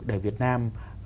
để việt nam